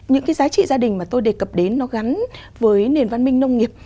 những cái giá trị gia đình mà tôi đề cập đến nó gắn với nền văn minh nông nghiệp